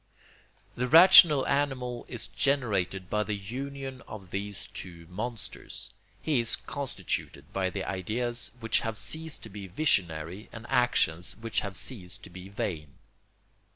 The rational animal is generated by the union of these two monsters. He is constituted by ideas which have ceased to be visionary and actions which have ceased to be vain.